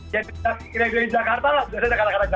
jadi kita lanjutin jakarta lah